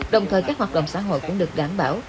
đồng thời các hoạt động xã hội cũng được đảm bảo